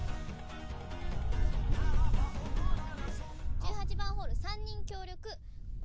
１８番ホール３人協力。